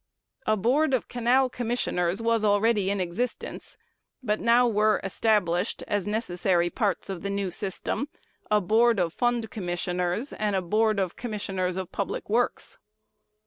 A Board of Canal Commissioners was already in existence; but now were established, as necessary parts of the new "system," a Board of Fund Commissioners and a Board of Commissioners of Public Works.